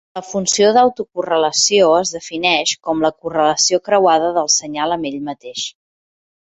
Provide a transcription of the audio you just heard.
La funció d'autocorrelació es defineix com la correlació creuada del senyal amb ell mateix.